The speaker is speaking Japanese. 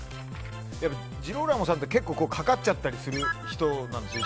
ジローラモさんって結構かかっちゃったりする人なんですよ。